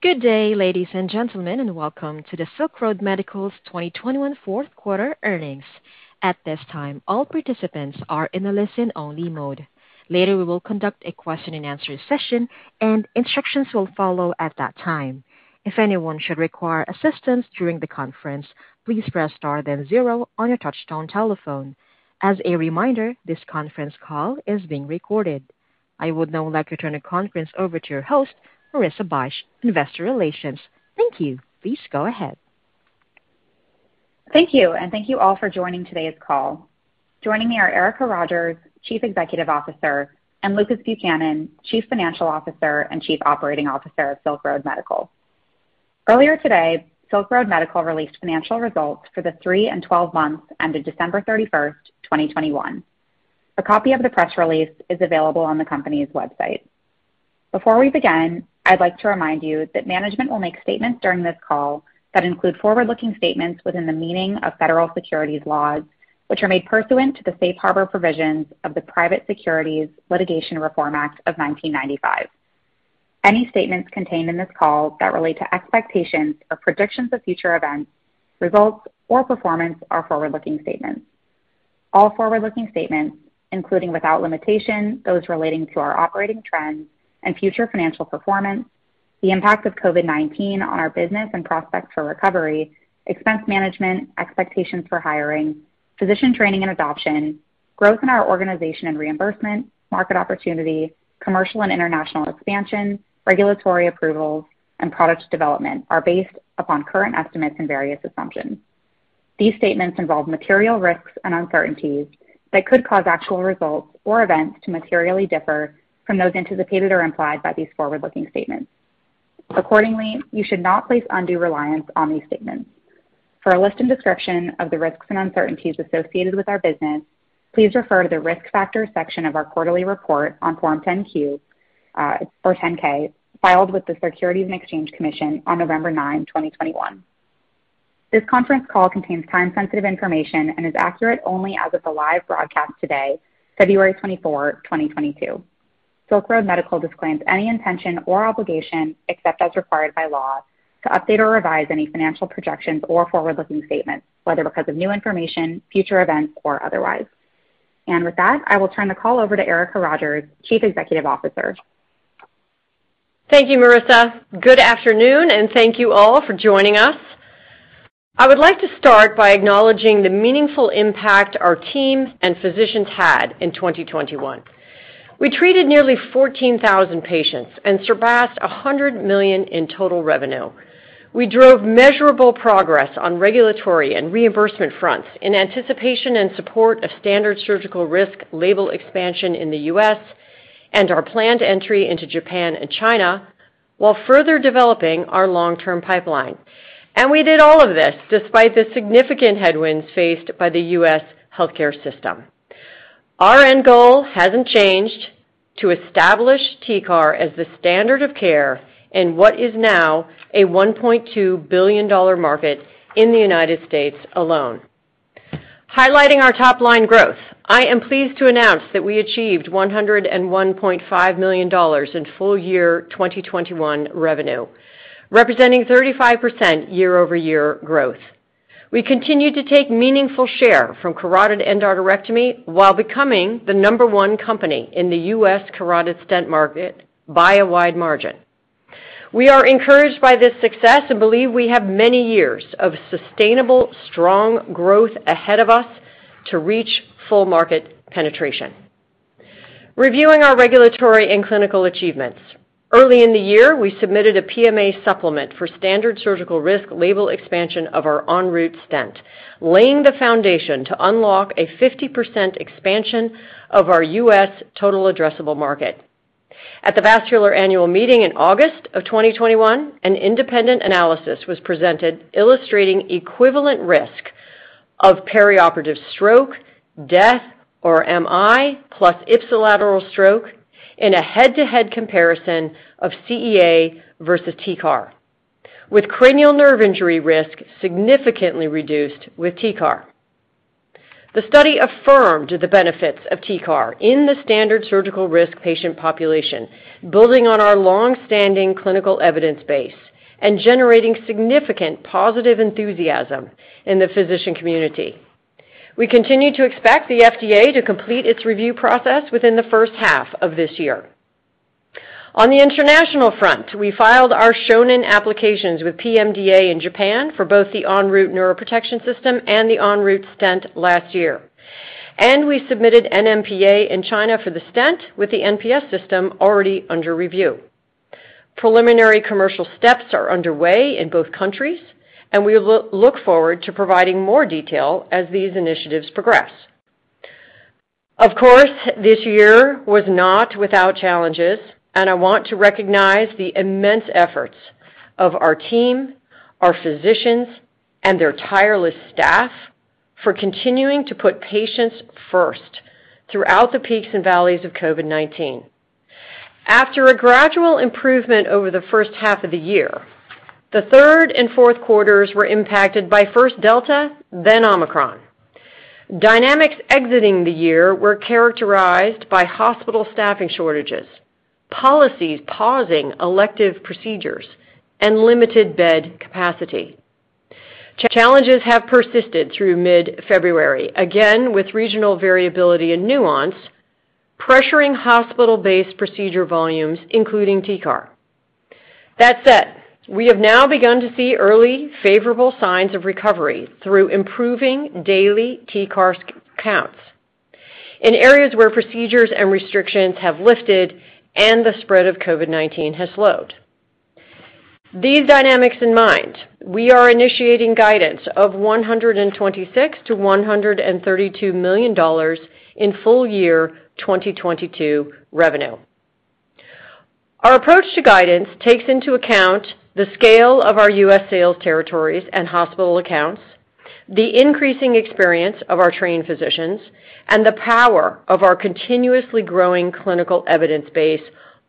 Good day, ladies and gentlemen, and welcome to the Silk Road Medical's 2021 fourth quarter earnings. At this time, all participants are in a listen-only mode. Later, we will conduct a question-and-answer session, and instructions will follow at that time. If anyone should require assistance during the conference, please press star then zero on your touch-tone telephone. As a reminder, this conference call is being recorded. I would now like to turn the conference over to your host, Marissa Bych, Investor Relations. Thank you. Please go ahead. Thank you, and thank you all for joining today's call. Joining me are Erica Rogers, Chief Executive Officer, and Lucas Buchanan, Chief Financial Officer and Chief Operating Officer of Silk Road Medical. Earlier today, Silk Road Medical released financial results for the three and 12 months ended December 31st, 2021. A copy of the press release is available on the company's website. Before we begin, I'd like to remind you that management will make statements during this call that include forward-looking statements within the meaning of federal securities laws, which are made pursuant to the Safe Harbor provisions of the Private Securities Litigation Reform Act of 1995. Any statements contained in this call that relate to expectations or predictions of future events, results, or performance are forward-looking statements. All forward-looking statements, including without limitation, those relating to our operating trends and future financial performance, the impact of COVID-19 on our business and prospects for recovery, expense management, expectations for hiring, physician training and adoption, growth in our organization and reimbursement, market opportunity, commercial and international expansion, regulatory approvals, and product development are based upon current estimates and various assumptions. These statements involve material risks and uncertainties that could cause actual results or events to materially differ from those anticipated or implied by these forward-looking statements. Accordingly, you should not place undue reliance on these statements. For a list and description of the risks and uncertainties associated with our business, please refer to the Risk Factors section of our quarterly report on Form 10-Q or 10-K, filed with the Securities and Exchange Commission on November 9, 2021. This conference call contains time-sensitive information and is accurate only as of the live broadcast today, February 24, 2022. Silk Road Medical disclaims any intention or obligation, except as required by law, to update or revise any financial projections or forward-looking statements, whether because of new information, future events, or otherwise. With that, I will turn the call over to Erica Rogers, Chief Executive Officer. Thank you, Marissa. Good afternoon, and thank you all for joining us. I would like to start by acknowledging the meaningful impact our teams and physicians had in 2021. We treated nearly 14,000 patients and surpassed $100 million in total revenue. We drove measurable progress on regulatory and reimbursement fronts in anticipation and support of standard surgical risk label expansion in the U.S. and our planned entry into Japan and China while further developing our long-term pipeline. We did all of this despite the significant headwinds faced by the U.S. healthcare system. Our end goal hasn't changed: to establish TCAR as the standard of care in what is now a $1.2 billion market in the United States alone. Highlighting our top-line growth, I am pleased to announce that we achieved $101.5 million in full year 2021 revenue, representing 35% year-over-year growth. We continue to take meaningful share from carotid endarterectomy while becoming the number one company in the U.S. carotid stent market by a wide margin. We are encouraged by this success and believe we have many years of sustainable, strong growth ahead of us to reach full market penetration. Reviewing our regulatory and clinical achievements. Early in the year, we submitted a PMA supplement for standard surgical risk label expansion of our ENROUTE stent, laying the foundation to unlock a 50% expansion of our U.S. total addressable market. At the Vascular Annual Meeting in August 2021, an independent analysis was presented illustrating equivalent risk of perioperative stroke, death, or MI plus ipsilateral stroke in a head-to-head comparison of CEA versus TCAR, with cranial nerve injury risk significantly reduced with TCAR. The study affirmed the benefits of TCAR in the standard surgical risk patient population, building on our long-standing clinical evidence base and generating significant positive enthusiasm in the physician community. We continue to expect the FDA to complete its review process within the first half of this year. On the international front, we filed our shonin applications with PMDA in Japan for both the ENROUTE Neuroprotection System and the ENROUTE stent last year. We submitted NMPA in China for the stent with the NPS system already under review. Preliminary commercial steps are underway in both countries, and we look forward to providing more detail as these initiatives progress. Of course, this year was not without challenges, and I want to recognize the immense efforts of our team, our physicians, and their tireless staff for continuing to put patients first throughout the peaks and valleys of COVID-19. After a gradual improvement over the first half of the year, the third and fourth quarters were impacted by first Delta, then Omicron. Dynamics exiting the year were characterized by hospital staffing shortages, policies pausing elective procedures, and limited bed capacity. Challenges have persisted through mid-February, again with regional variability and nuance, pressuring hospital-based procedure volumes, including TCAR. That said, we have now begun to see early favorable signs of recovery through improving daily TCAR counts in areas where procedures and restrictions have lifted and the spread of COVID-19 has slowed. these dynamics in mind, we are initiating guidance of $126 million-$132 million in full year 2022 revenue. Our approach to guidance takes into account the scale of our U.S. sales territories and hospital accounts, the increasing experience of our trained physicians, and the power of our continuously growing clinical evidence base,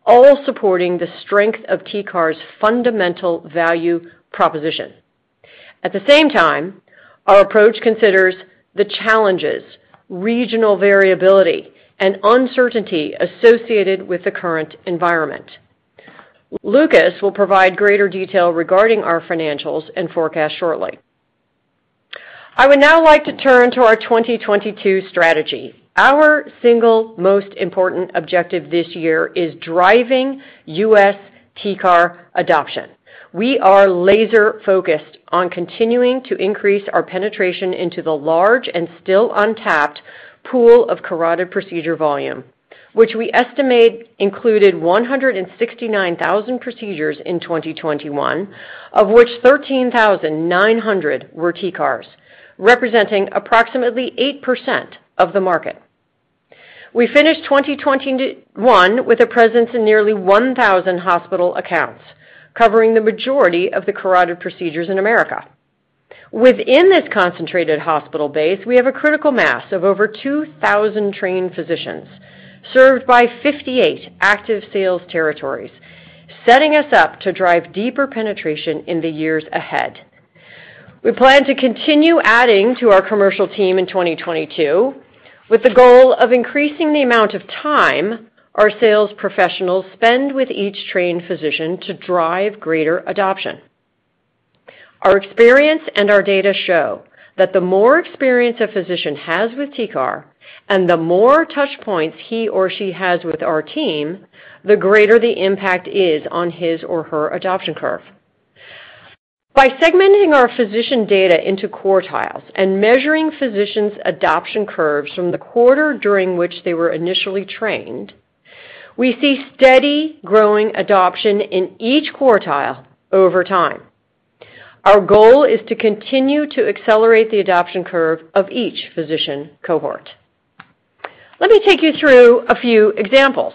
all supporting the strength of TCAR's fundamental value proposition. At the same time, our approach considers the challenges, regional variability, and uncertainty associated with the current environment. Lucas will provide greater detail regarding our financials and forecast shortly. I would now like to turn to our 2022 strategy. Our single most important objective this year is driving U.S. TCAR adoption. We are laser-focused on continuing to increase our penetration into the large and still untapped pool of carotid procedure volume, which we estimate included 169,000 procedures in 2021, of which 13,900 were TCARs, representing approximately 8% of the market. We finished 2021 with a presence in nearly 1,000 hospital accounts, covering the majority of the carotid procedures in America. Within this concentrated hospital base, we have a critical mass of over 2,000 trained physicians served by 58 active sales territories, setting us up to drive deeper penetration in the years ahead. We plan to continue adding to our commercial team in 2022, with the goal of increasing the amount of time our sales professionals spend with each trained physician to drive greater adoption. Our experience and our data show that the more experience a physician has with TCAR and the more touch points he or she has with our team, the greater the impact is on his or her adoption curve. By segmenting our physician data into quartiles and measuring physicians' adoption curves from the quarter during which they were initially trained, we see steady growing adoption in each quartile over time. Our goal is to continue to accelerate the adoption curve of each physician cohort. Let me take you through a few examples.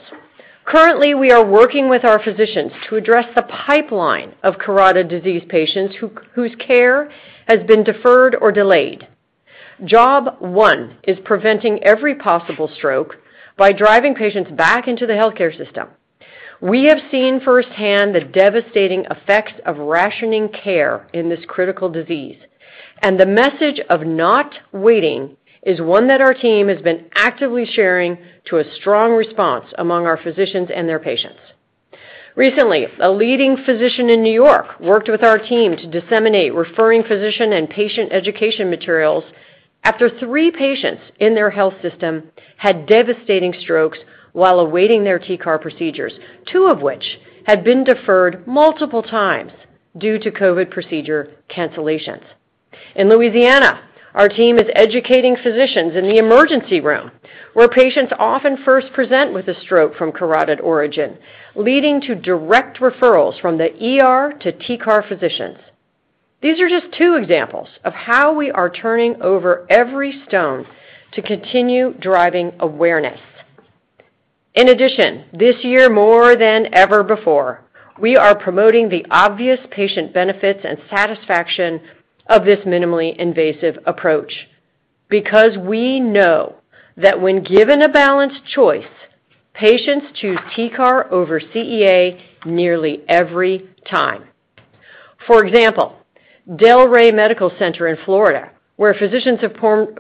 Currently, we are working with our physicians to address the pipeline of carotid disease patients whose care has been deferred or delayed. Job one is preventing every possible stroke by driving patients back into the healthcare system. We have seen firsthand the devastating effects of rationing care in this critical disease. The message of not waiting is one that our team has been actively sharing to a strong response among our physicians and their patients. Recently, a leading physician in New York worked with our team to disseminate referring physician and patient education materials after three patients in their health system had devastating strokes while awaiting their TCAR procedures, two of which had been deferred multiple times due to COVID procedure cancellations. In Louisiana, our team is educating physicians in the emergency room, where patients often first present with a stroke from carotid origin, leading to direct referrals from the ER to TCAR physicians. These are just two examples of how we are turning over every stone to continue driving awareness. In addition, this year more than ever before, we are promoting the obvious patient benefits and satisfaction of this minimally invasive approach because we know that when given a balanced choice, patients choose TCAR over CEA nearly every time. For example, Delray Medical Center in Florida, where physicians have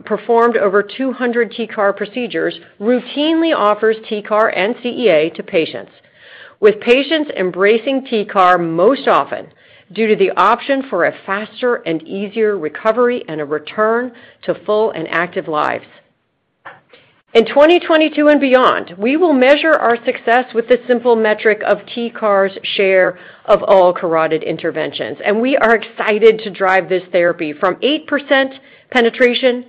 performed over 200 TCAR procedures, routinely offers TCAR and CEA to patients, with patients embracing TCAR most often due to the option for a faster and easier recovery and a return to full and active lives. In 2022 and beyond, we will measure our success with the simple metric of TCAR's share of all carotid interventions, and we are excited to drive this therapy from 8% penetration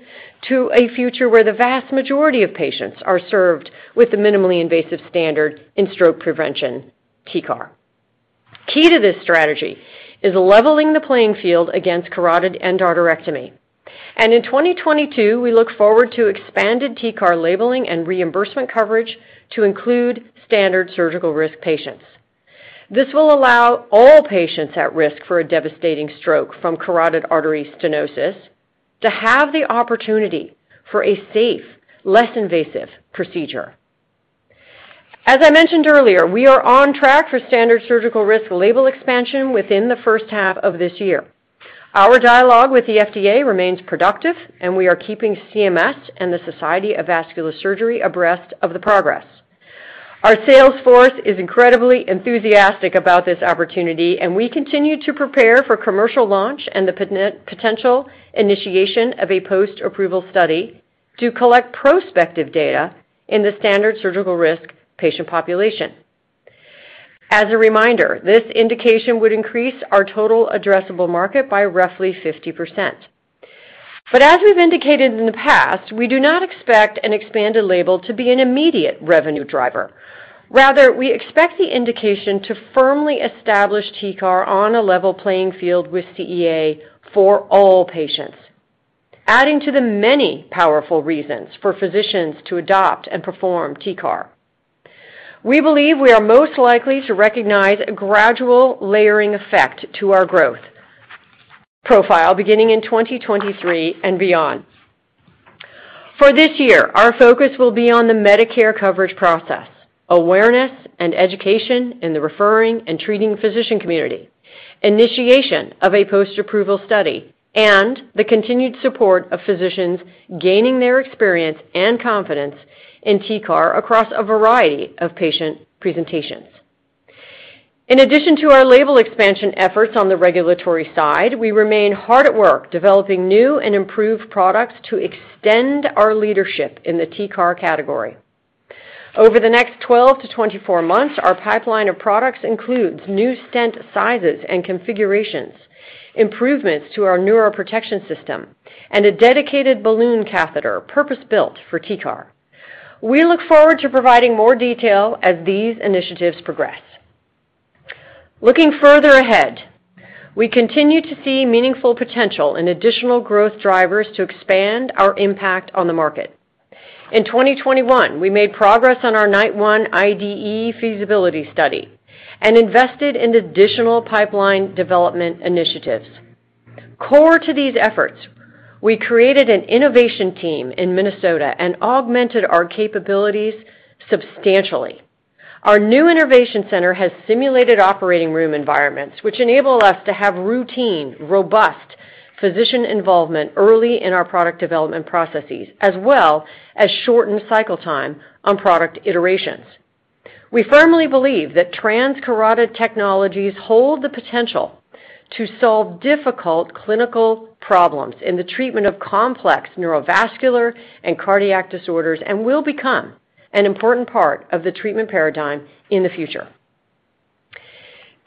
to a future where the vast majority of patients are served with the minimally invasive standard in stroke prevention TCAR. Key to this strategy is leveling the playing field against carotid endarterectomy. In 2022, we look forward to expanded TCAR labeling and reimbursement coverage to include standard surgical risk patients. This will allow all patients at risk for a devastating stroke from carotid artery stenosis to have the opportunity for a safe, less invasive procedure. As I mentioned earlier, we are on track for standard surgical risk label expansion within the first half of this year. Our dialogue with the FDA remains productive, and we are keeping CMS and the Society for Vascular Surgery abreast of the progress. Our sales force is incredibly enthusiastic about this opportunity, and we continue to prepare for commercial launch and the potential initiation of a post-approval study to collect prospective data in the standard surgical risk patient population. As a reminder, this indication would increase our total addressable market by roughly 50%. As we've indicated in the past, we do not expect an expanded label to be an immediate revenue driver. Rather, we expect the indication to firmly establish TCAR on a level playing field with CEA for all patients, adding to the many powerful reasons for physicians to adopt and perform TCAR. We believe we are most likely to recognize a gradual layering effect to our growth profile beginning in 2023 and beyond. For this year, our focus will be on the Medicare coverage process, awareness and education in the referring and treating physician community, initiation of a post-approval study, and the continued support of physicians gaining their experience and confidence in TCAR across a variety of patient presentations. In addition to our label expansion efforts on the regulatory side, we remain hard at work developing new and improved products to extend our leadership in the TCAR category. Over the next 12-24 months, our pipeline of products includes new stent sizes and configurations, improvements to our neuroprotection system, and a dedicated balloon catheter purpose-built for TCAR. We look forward to providing more detail as these initiatives progress. Looking further ahead, we continue to see meaningful potential in additional growth drivers to expand our impact on the market. In 2021, we made progress on our NITE-1 IDE feasibility study and invested in additional pipeline development initiatives. Core to these efforts, we created an innovation team in Minnesota and augmented our capabilities substantially. Our new innovation center has simulated operating room environments, which enable us to have routine, robust physician involvement early in our product development processes, as well as shortened cycle time on product iterations. We firmly believe that transcarotid technologies hold the potential to solve difficult clinical problems in the treatment of complex neurovascular and cardiac disorders and will become an important part of the treatment paradigm in the future.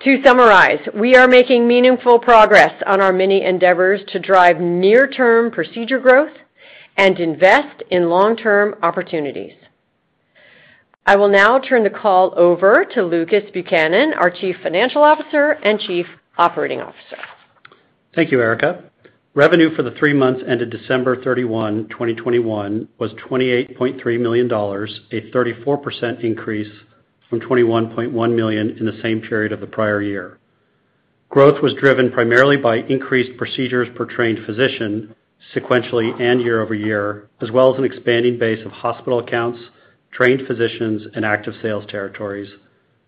To summarize, we are making meaningful progress on our many endeavors to drive near-term procedure growth and invest in long-term opportunities. I will now turn the call over to Lucas Buchanan, our Chief Financial Officer and Chief Operating Officer. Thank you, Erica. Revenue for the three months ended December 31, 2021 was $28.3 million, a 34% increase from $21.1 million in the same period of the prior year. Growth was driven primarily by increased procedures per trained physician sequentially and year-over-year, as well as an expanding base of hospital accounts, trained physicians, and active sales territories,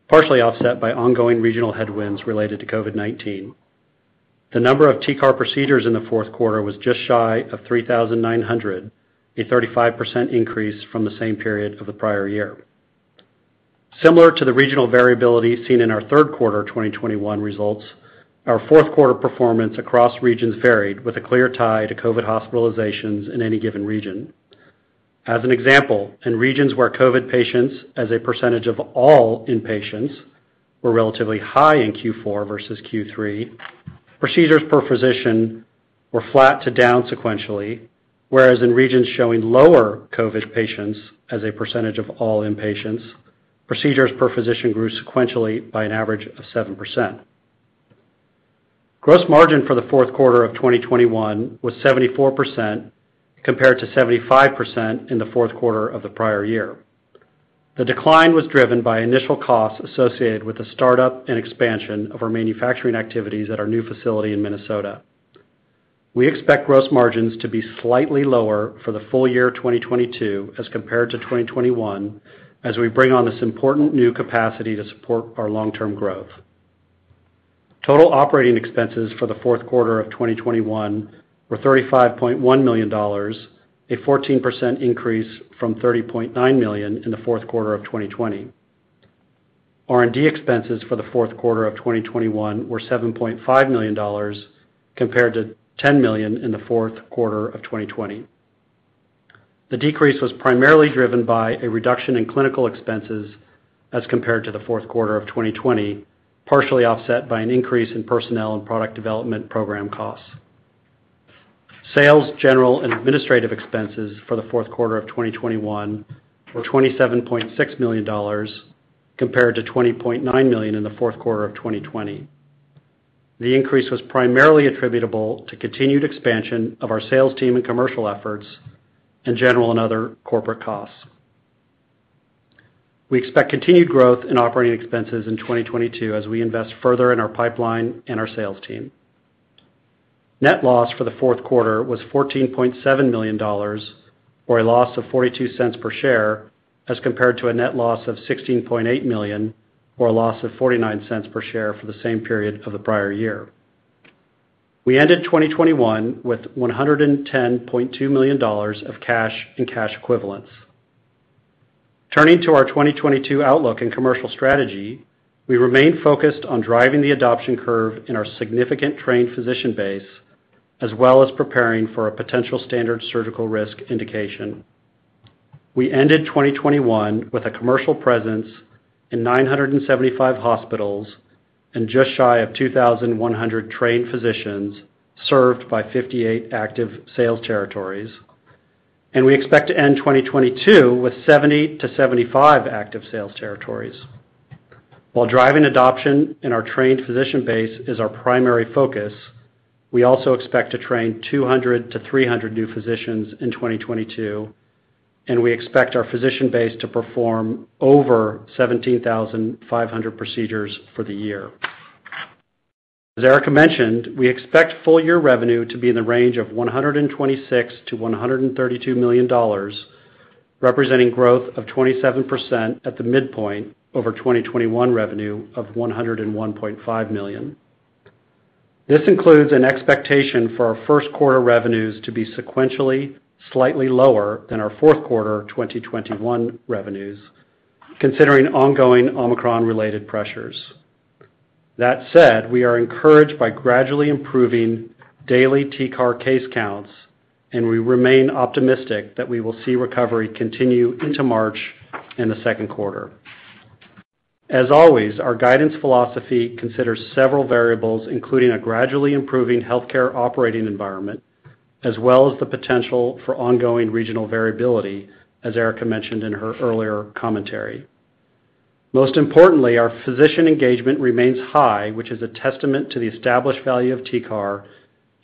partially offset by ongoing regional headwinds related to COVID-19. The number of TCAR procedures in the fourth quarter was just shy of 3,900, a 35% increase from the same period of the prior year. Similar to the regional variability seen in our third quarter of 2021 results, our fourth quarter performance across regions varied with a clear tie to COVID hospitalizations in any given region. As an example, in regions where COVID patients as a percentage of all inpatients were relatively high in Q4 versus Q3, procedures per physician were flat to down sequentially, whereas in regions showing lower COVID patients as a percentage of all inpatients, procedures per physician grew sequentially by an average of 7%. Gross margin for the fourth quarter of 2021 was 74% compared to 75% in the fourth quarter of the prior year. The decline was driven by initial costs associated with the startup and expansion of our manufacturing activities at our new facility in Minnesota. We expect gross margins to be slightly lower for the full year of 2022 as compared to 2021 as we bring on this important new capacity to support our long-term growth. Total operating expenses for the fourth quarter of 2021 were $35.1 million, a 14% increase from $30.9 million in the fourth quarter of 2020. R&D expenses for the fourth quarter of 2021 were $7.5 million compared to $10 million in the fourth quarter of 2020. The decrease was primarily driven by a reduction in clinical expenses as compared to the fourth quarter of 2020, partially offset by an increase in personnel and product development program costs. Sales, general, and administrative expenses for the fourth quarter of 2021 were $27.6 million compared to $20.9 million in the fourth quarter of 2020. The increase was primarily attributable to continued expansion of our sales team and commercial efforts in general and other corporate costs. We expect continued growth in operating expenses in 2022 as we invest further in our pipeline and our sales team. Net loss for the fourth quarter was $14.7 million or a loss of $0.42 per share as compared to a net loss of $16.8 million or a loss of $0.49 per share for the same period of the prior year. We ended 2021 with $110.2 million of cash and cash equivalents. Turning to our 2022 outlook and commercial strategy, we remain focused on driving the adoption curve in our significant trained physician base, as well as preparing for a potential standard surgical risk indication. We ended 2021 with a commercial presence in 975 hospitals and just shy of 2,100 trained physicians served by 58 active sales territories. We expect to end 2022 with 70-75 active sales territories. While driving adoption in our trained physician base is our primary focus, we also expect to train 200-300 new physicians in 2022, and we expect our physician base to perform over 17,500 procedures for the year. As Erica mentioned, we expect full year revenue to be in the range of $126 million-$132 million, representing growth of 27% at the midpoint over 2021 revenue of $101.5 million. This includes an expectation for our first quarter revenues to be sequentially slightly lower than our fourth quarter 2021 revenues, considering ongoing Omicron-related pressures. That said, we are encouraged by gradually improving daily TCAR case counts, and we remain optimistic that we will see recovery continue into March in the second quarter. As always, our guidance philosophy considers several variables, including a gradually improving healthcare operating environment as well as the potential for ongoing regional variability, as Erica mentioned in her earlier commentary. Most importantly, our physician engagement remains high, which is a testament to the established value of TCAR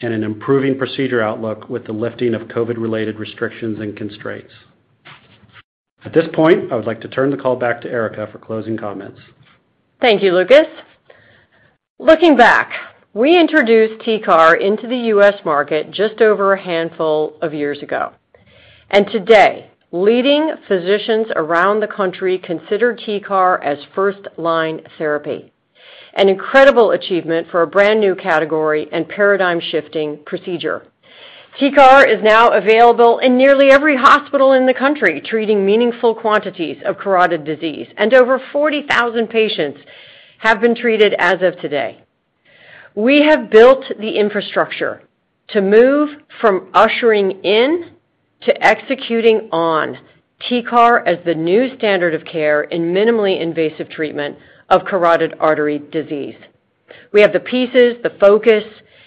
and an improving procedure outlook with the lifting of COVID-related restrictions and constraints. At this point, I would like to turn the call back to Erica for closing comments. Thank you, Lucas. Looking back, we introduced TCAR into the U.S. market just over a handful of years ago. Today, leading physicians around the country consider TCAR as first-line therapy, an incredible achievement for a brand new category and paradigm shifting procedure. TCAR is now available in nearly every hospital in the country, treating meaningful quantities of carotid disease, and over 40,000 patients have been treated as of today. We have built the infrastructure to move from ushering in to executing on TCAR as the new standard of care in minimally invasive treatment of carotid artery disease. We have the pieces, the focus,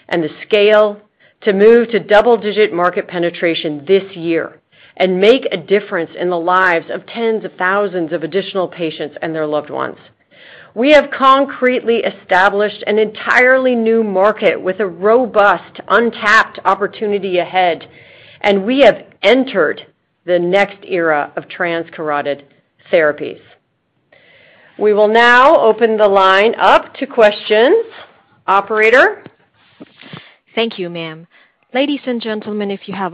and the scale to move to double-digit market penetration this year and make a difference in the lives of tens of thousands of additional patients and their loved ones. We have concretely established an entirely new market with a robust, untapped opportunity ahead, and we have entered the next era of transcarotid therapies. We will now open the line up to questions. Operator? Thank you, ma'am. Your first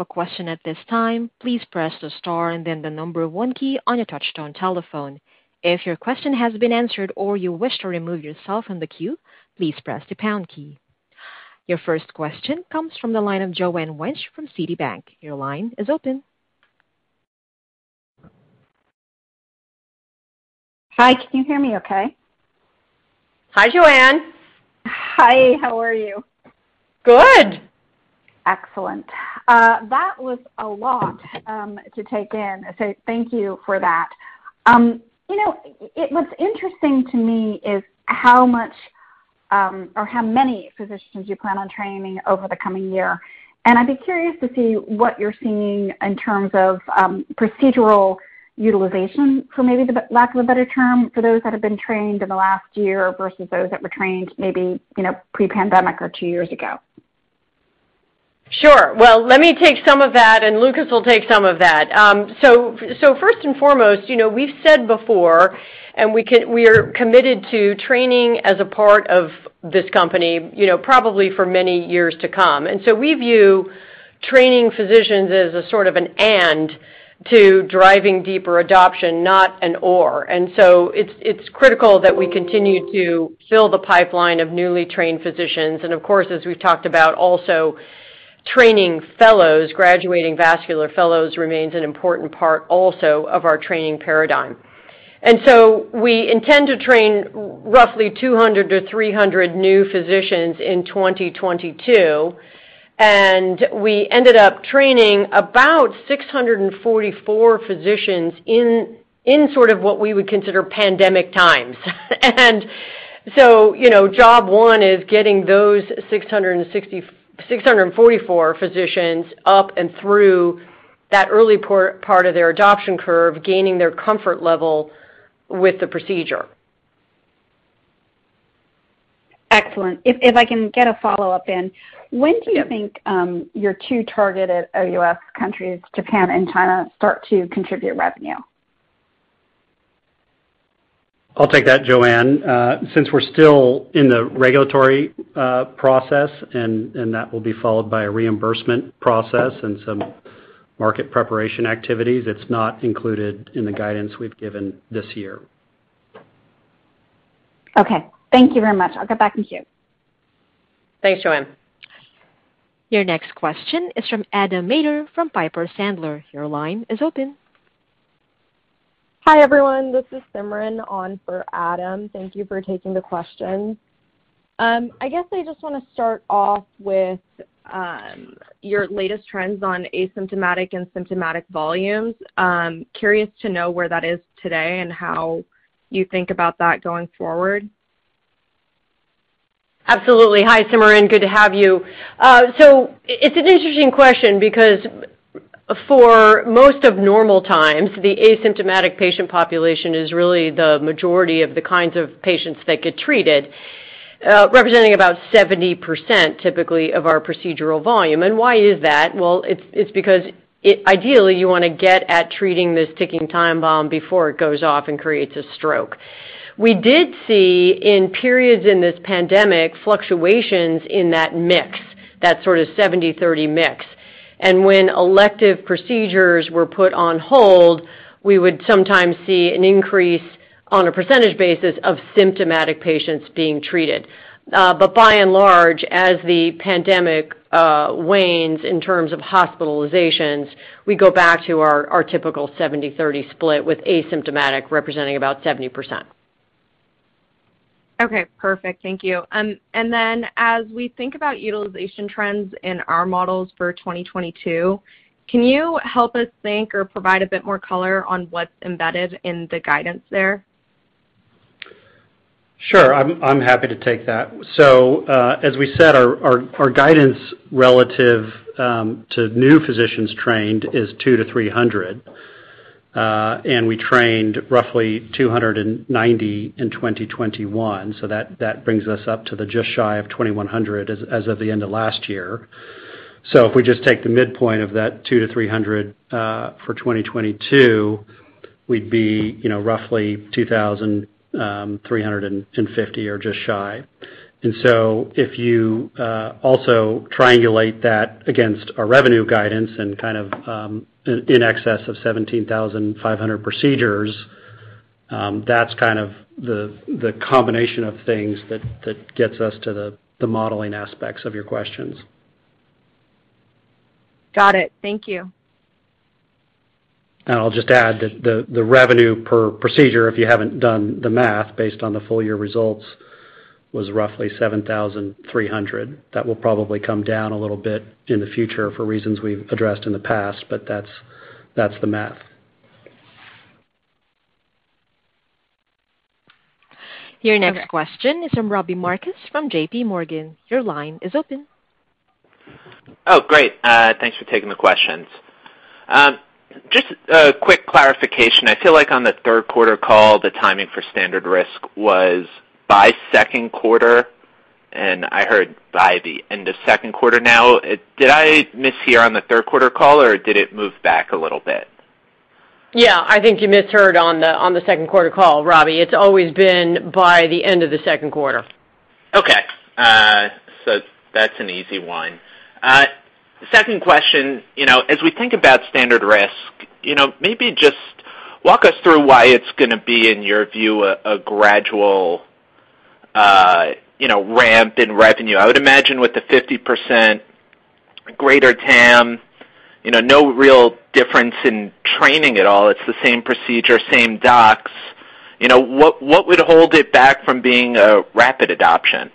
question comes from the line of Joanne Wuensch from Citibank. Your line is open. Hi. Can you hear me okay? Hi, Joanne. Hi. How are you? Good. Excellent. That was a lot to take in. Thank you for that. You know, what's interesting to me is how much or how many physicians you plan on training over the coming year. I'd be curious to see what you're seeing in terms of procedural utilization for maybe the lack of a better term, for those that have been trained in the last year versus those that were trained maybe, you know, pre-pandemic or two years ago. Sure. Well, let me take some of that, and Lucas will take some of that. So first and foremost, you know, we've said before, we are committed to training as a part of this company, you know, probably for many years to come. We view training physicians as a sort of an and to driving deeper adoption, not an or. It's critical that we continue to fill the pipeline of newly trained physicians. Of course, as we've talked about also, training fellows, graduating vascular fellows remains an important part also of our training paradigm. We intend to train roughly 200-300 new physicians in 2022. We ended up training about 644 physicians in sort of what we would consider pandemic times. you know, job one is getting those 644 physicians up and through that early part of their adoption curve, gaining their comfort level with the procedure. Excellent. If I can get a follow-up in. Yep. When do you think your two targeted OUS countries, Japan and China, start to contribute revenue? I'll take that, Joanne. Since we're still in the regulatory process and that will be followed by a reimbursement process and some market preparation activities, it's not included in the guidance we've given this year. Okay. Thank you very much. I'll get back in queue. Thanks, Joanne. Your next question is from Adam Maeder from Piper Sandler. Your line is open. Hi, everyone. This is Simran on for Adam. Thank you for taking the question. I guess I just wanna start off with your latest trends on asymptomatic and symptomatic volumes. Curious to know where that is today and how you think about that going forward. Absolutely. Hi, Simran, good to have you. It's an interesting question because for most of normal times, the asymptomatic patient population is really the majority of the kinds of patients that get treated, representing about 70% typically of our procedural volume. Why is that? It's because it ideally you wanna get at treating this ticking time bomb before it goes off and creates a stroke. We did see in periods in this pandemic fluctuations in that mix, that sort of 70/30 mix. When elective procedures were put on hold, we would sometimes see an increase on a percentage basis of symptomatic patients being treated. By and large, as the pandemic wanes in terms of hospitalizations, we go back to our typical 70/30 split with asymptomatic representing about 70%. Okay, perfect. Thank you. As we think about utilization trends in our models for 2022, can you help us think or provide a bit more color on what's embedded in the guidance there? Sure. I'm happy to take that. As we said, our guidance relative to new physicians trained is 200-300, and we trained roughly 290 in 2021, so that brings us up to just shy of 2,100 as of the end of last year. If we just take the midpoint of that 200-300 for 2022, we'd be, you know, roughly 2,350 or just shy. If you also triangulate that against our revenue guidance and kind of in excess of 17,500 procedures, that's kind of the combination of things that gets us to the modeling aspects of your questions. Got it. Thank you. I'll just add that the revenue per procedure, if you haven't done the math based on the full year results, was roughly $7,300. That will probably come down a little bit in the future for reasons we've addressed in the past, but that's the math. Your next question is from Robbie Marcus from JPMorgan. Your line is open. Oh, great. Thanks for taking the questions. Just a quick clarification. I feel like on third quarter call, the timing for standard risk was by second quarter, and I heard by the end of second quarter now. Did I mishear on third quarter call, or did it move back a little bit? Yeah. I think you misheard on the second quarter call, Robbie. It's always been by the end of the second quarter. Okay. That's an easy one. Second question. You know, as we think about standard risk, you know, maybe just walk us through why it's gonna be, in your view, a gradual, you know, ramp in revenue. I would imagine with the 50% greater TAM, you know, no real difference in training at all. It's the same procedure, same docs. You know, what would hold it back from being a rapid adoption?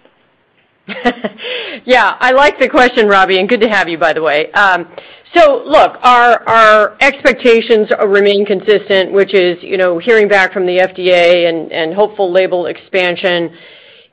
Yeah, I like the question, Robbie, and good to have you, by the way. Look, our expectations remain consistent, which is, you know, hearing back from the FDA and hopeful label expansion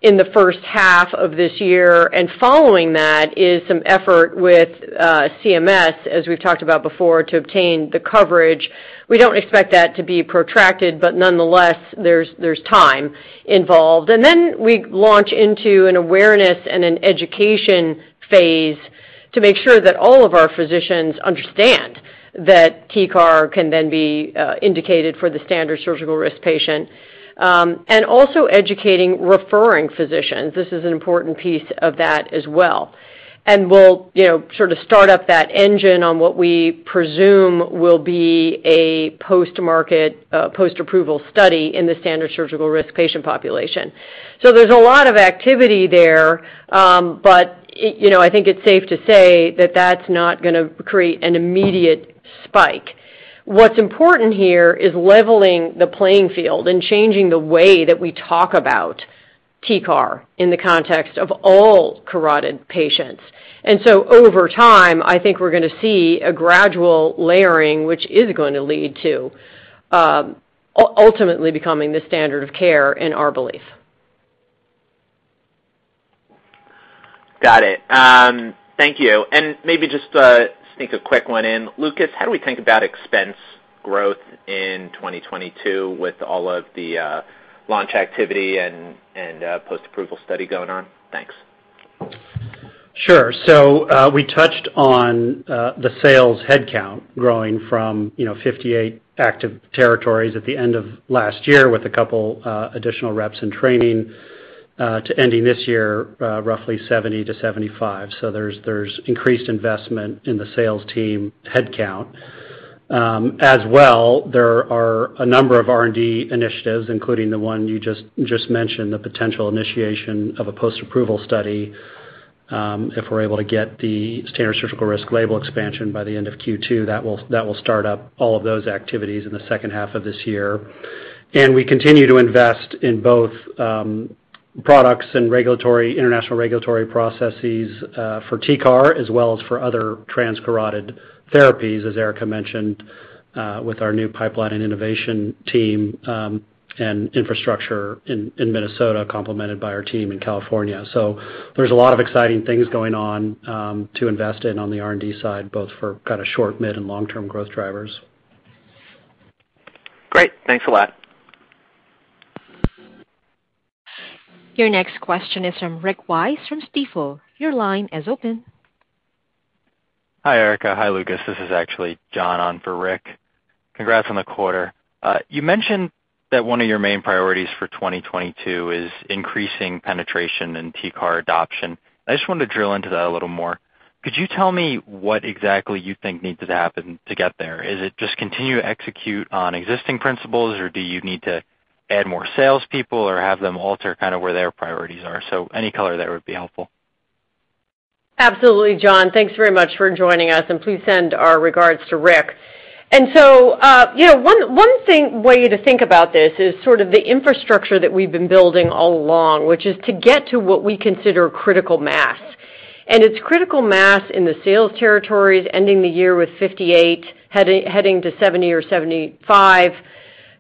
in the first half of this year. Following that is some effort with CMS, as we've talked about before, to obtain the coverage. We don't expect that to be protracted, but nonetheless, there's time involved. Then we launch into an awareness and an education phase to make sure that all of our physicians understand that TCAR can then be indicated for the standard surgical risk patient, and also educating referring physicians. This is an important piece of that as well. We'll, you know, sort of start up that engine on what we presume will be a post-market, post-approval study in the standard surgical risk patient population. There's a lot of activity there, but, you know, I think it's safe to say that that's not gonna create an immediate spike. What's important here is leveling the playing field and changing the way that we talk about TCAR in the context of all carotid patients. Over time, I think we're gonna see a gradual layering, which is going to lead to ultimately becoming the standard of care in our belief. Got it. Thank you. Maybe just sneak a quick one in. Lucas, how do we think about expense growth in 2022 with all of the launch activity and post-approval study going on? Thanks. Sure. We touched on the sales headcount growing from, you know, 58 active territories at the end of last year with a couple additional reps in training to ending this year roughly 70-75. There's increased investment in the sales team headcount. As well, there are a number of R&D initiatives, including the one you just mentioned, the potential initiation of a post-approval study if we're able to get the standard surgical risk label expansion by the end of Q2. That will start up all of those activities in the second half of this year. We continue to invest in both products and international regulatory processes for TCAR, as well as for other transcarotid therapies, as Erica mentioned, with our new pipeline and innovation team and infrastructure in Minnesota, complemented by our team in California. There's a lot of exciting things going on to invest in on the R&D side, both for kind of short, mid, and long-term growth drivers. Great. Thanks a lot. Your next question is from Rick Wise from Stifel. Your line is open. Hi, Erica. Hi, Lucas. This is actually Jon on for Rick. Congrats on the quarter. You mentioned that one of your main priorities for 2022 is increasing penetration and TCAR adoption. I just wanted to drill into that a little more. Could you tell me what exactly you think needs to happen to get there? Is it just continue to execute on existing principles, or do you need to add more salespeople people or have them alter kind of where their priorities are? Any color there would be helpful. Absolutely, Jon. Thanks very much for joining us, and please send our regards to Rick. You know, one thing, way to think about this is sort of the infrastructure that we've been building all along, which is to get to what we consider critical mass. It's critical mass in the sales territories ending the year with 58, heading to 70 or 75,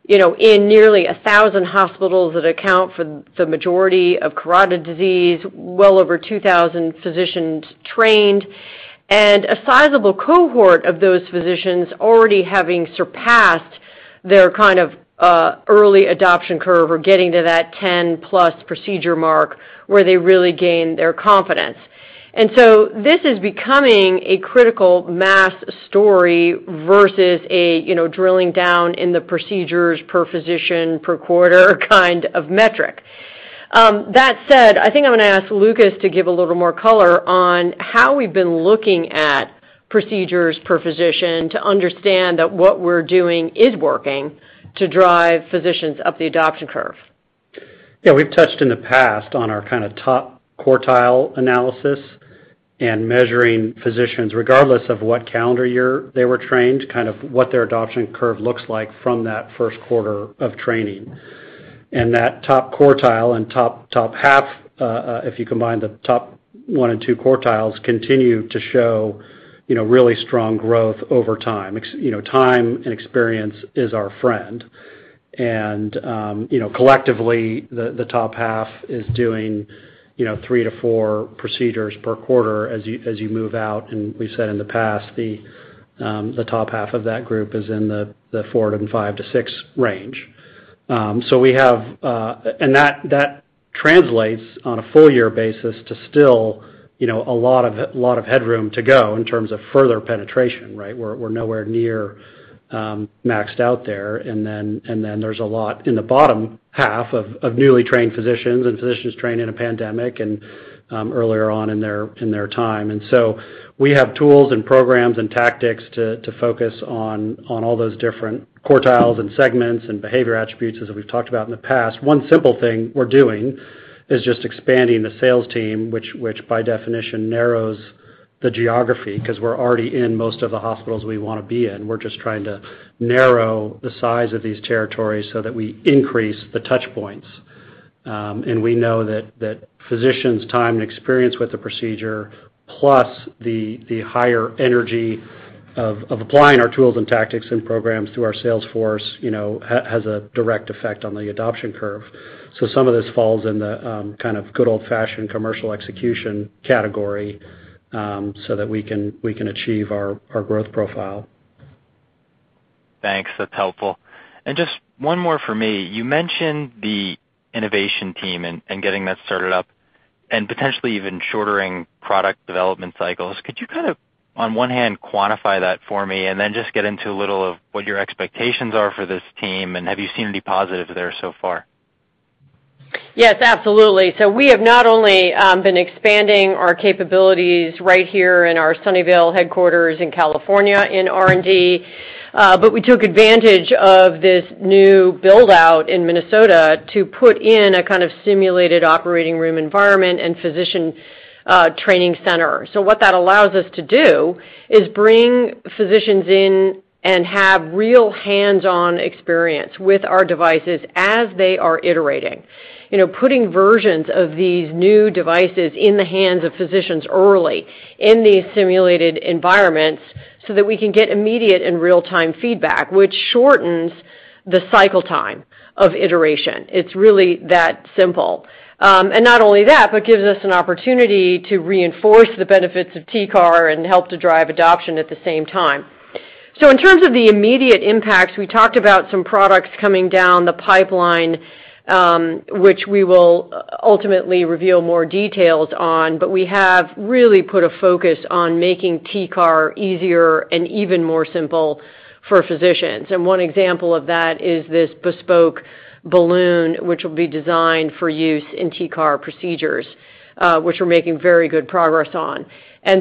you know, in nearly 1,000 hospitals that account for the majority of carotid disease, well over 2,000 physicians trained, and a sizable cohort of those physicians already having surpassed their kind of early adoption curve or getting to that 10-plus procedure mark where they really gain their confidence. This is becoming a critical mass story versus a, you know, drilling down in the procedures per physician per quarter kind of metric. That said, I think I'm going to ask Lucas to give a little more color on how we've been looking at procedures per physician to understand that what we're doing is working to drive physicians up the adoption curve. Yeah, we've touched in the past on our kind of top quartile analysis and measuring physicians, regardless of what calendar year they were trained, kind of what their adoption curve looks like from that first quarter of training. That top quartile and top half, if you combine the top one and two quartiles, continue to show, you know, really strong growth over time. You know, time and experience is our friend. You know, collectively, the top half is doing, you know, three to four procedures per quarter as you move out. We said in the past, the top half of that group is in the four to five to six range. So we have... That translates on a full year basis to still, you know, a lot of headroom to go in terms of further penetration, right? We're nowhere near maxed out there. Then there's a lot in the bottom half of newly trained physicians and physicians trained in a pandemic and earlier on in their time. We have tools and programs and tactics to focus on all those different quartiles and segments and behavior attributes as we've talked about in the past. One simple thing we're doing is just expanding the sales team, which by definition narrows the geography because we're already in most of the hospitals we want to be in. We're just trying to narrow the size of these territories so that we increase the touch points. We know that physicians' time and experience with the procedure, plus the higher energy of applying our tools and tactics and programs through our sales force, you know, has a direct effect on the adoption curve. Some of this falls in the kind of good old-fashioned commercial execution category, so that we can achieve our growth profile. Thanks. That's helpful. Just one more for me. You mentioned the innovation team and getting that started up and potentially even shortening product development cycles. Could you kind of, on one hand, quantify that for me and then just get into a little of what your expectations are for this team, and have you seen any positives there so far? Yes, absolutely. We have not only been expanding our capabilities right here in our Sunnyvale headquarters in California in R&D, but we took advantage of this new build-out in Minnesota to put in a kind of simulated operating room environment and physician training center. What that allows us to do is bring physicians in and have real hands-on experience with our devices as they are iterating. You know, putting versions of these new devices in the hands of physicians early in these simulated environments so that we can get immediate and real-time feedback, which shortens the cycle time of iteration. It's really that simple. Not only that, but gives us an opportunity to reinforce the benefits of TCAR and help to drive adoption at the same time. In terms of the immediate impacts, we talked about some products coming down the pipeline, which we will ultimately reveal more details on. We have really put a focus on making TCAR easier and even more simple for physicians. One example of that is this bespoke balloon, which will be designed for use in TCAR procedures, which we're making very good progress on.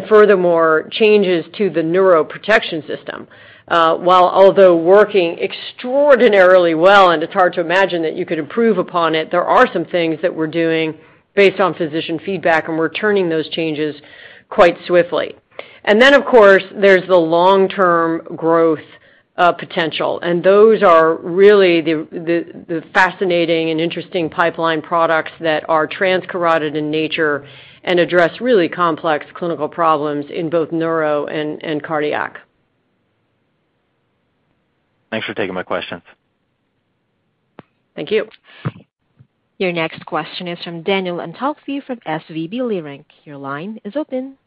Furthermore, changes to the neuroprotection system, while although working extraordinarily well, and it's hard to imagine that you could improve upon it, there are some things that we're doing based on physician feedback, and we're turning those changes quite swiftly. Of course, there's the long-term growth potential, and those are really the fascinating and interesting pipeline products that are transcarotid in nature and address really complex clinical problems in both neuro and cardiac. Thanks for taking my questions. Thank you. Your next question is from Danielle Antalffy from SVB Leerink. Your line is open.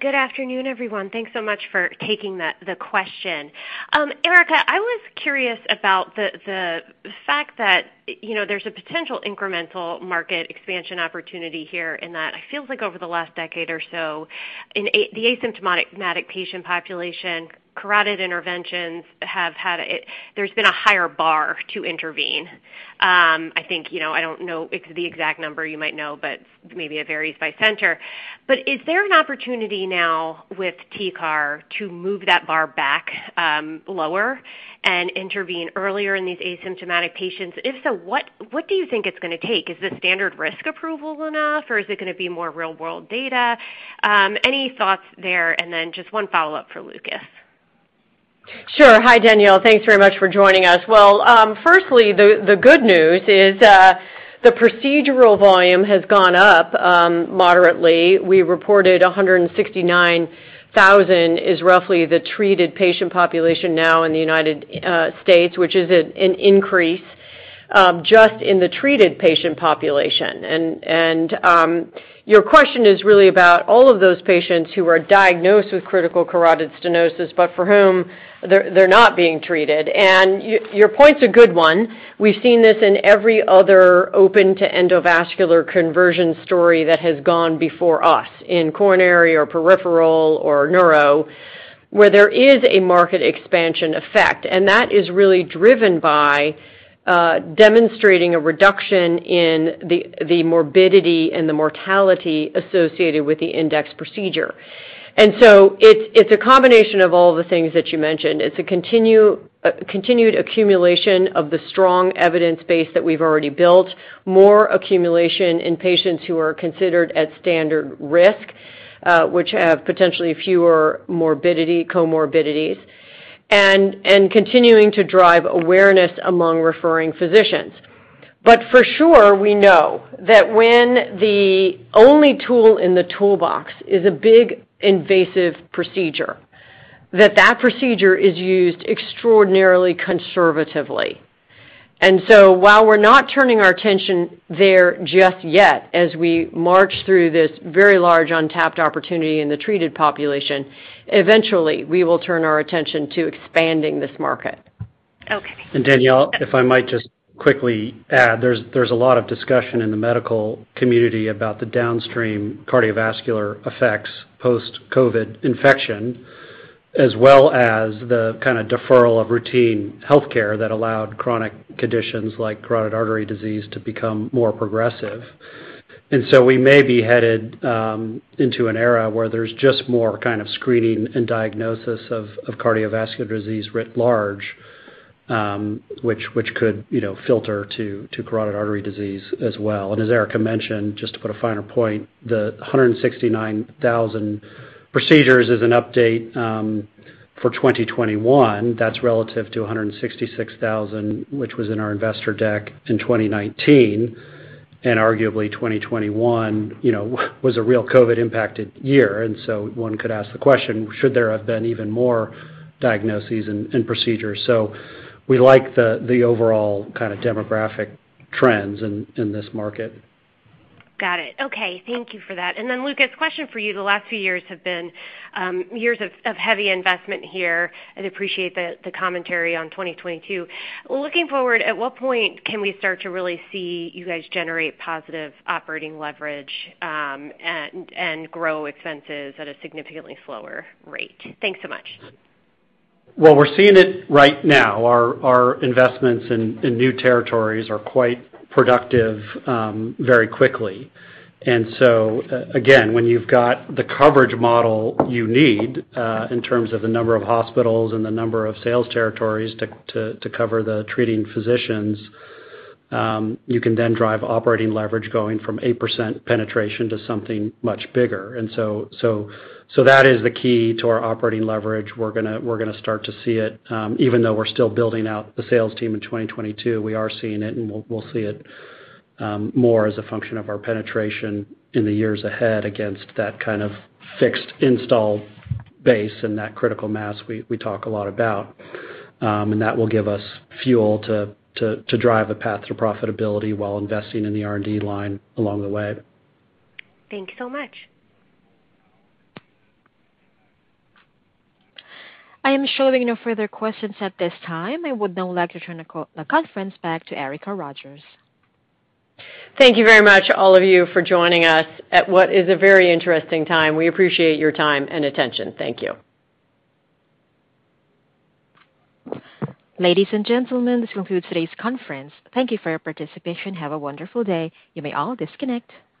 Good afternoon, everyone. Thanks so much for taking the question. Erica, I was curious about the fact that, you know, there's a potential incremental market expansion opportunity here in that it feels like over the last decade or so, in the asymptomatic patient population, carotid interventions have had a higher bar to intervene. I think, you know, I don't know the exact number. You might know, but maybe it varies by center. Is there an opportunity now with TCAR to move that bar back lower and intervene earlier in these asymptomatic patients? If so, what do you think it's gonna take? Is the standard risk approval enough, or is it gonna be more real-world data? Any thoughts there? And then just one follow-up for Lucas. Sure. Hi, Danielle. Thanks very much for joining us. Well, firstly, the good news is, the procedural volume has gone up moderately. We reported 169,000 is roughly the treated patient population now in the United States, which is an increase just in the treated patient population. Your question is really about all of those patients who are diagnosed with critical carotid stenosis, but for whom they're not being treated. Your point's a good one. We've seen this in every other open to endovascular conversion story that has gone before us in coronary or peripheral or neuro, where there is a market expansion effect. That is really driven by demonstrating a reduction in the morbidity and the mortality associated with the index procedure. It's a combination of all the things that you mentioned. It's a continued accumulation of the strong evidence base that we've already built, more accumulation in patients who are considered at standard risk, which have potentially fewer morbidities, comorbidities, and continuing to drive awareness among referring physicians. For sure, we know that when the only tool in the toolbox is a big invasive procedure, that procedure is used extraordinarily conservatively. While we're not turning our attention there just yet, as we march through this very large untapped opportunity in the treated population, eventually we will turn our attention to expanding this market. Okay. Danielle, if I might just quickly add, there's a lot of discussion in the medical community about the downstream cardiovascular effects post-COVID infection, as well as the kinda deferral of routine healthcare that allowed chronic conditions like carotid artery disease to become more progressive. We may be headed into an era where there's just more kind of screening and diagnosis of cardiovascular disease writ large, which could, you know, filter to carotid artery disease as well. As Erica mentioned, just to put a finer point, the 169,000 procedures is an update for 2021. That's relative to 166,000, which was in our investor deck in 2019, and arguably 2021, you know, was a real COVID-impacted year. One could ask the question, should there have been even more diagnoses and procedures? We like the overall kinda demographic trends in this market. Got it. Okay. Thank you for that. Lucas, question for you. The last few years have been years of heavy investment here. I'd appreciate the commentary on 2022. Looking forward, at what point can we start to really see you guys generate positive operating leverage, and grow expenses at a significantly slower rate? Thanks so much. Well, we're seeing it right now. Our investments in new territories are quite productive very quickly. Again, when you've got the coverage model you need in terms of the number of hospitals and the number of sales territories to cover the treating physicians, you can then drive operating leverage going from 8% penetration to something much bigger. That is the key to our operating leverage. We're gonna start to see it even though we're still building out the sales team in 2022, we are seeing it, and we'll see it more as a function of our penetration in the years ahead against that kind of fixed install base and that critical mass we talk a lot about. that will give us fuel to drive a path to profitability while investing in the R&D line along the way. Thank you so much. I am showing no further questions at this time. I would now like to turn the conference back to Erica Rogers. Thank you very much, all of you, for joining us at what is a very interesting time. We appreciate your time and attention. Thank you. Ladies and gentlemen, this concludes today's conference. Thank you for your participation. Have a wonderful day. You may all disconnect.